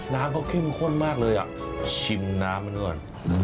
น้ำก็เข้มข้นมากเลยชิมน้ำกันด้วยก่อน